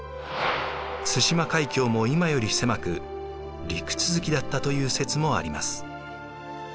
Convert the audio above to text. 対馬海峡も今より狭く陸続きだったという説もあります。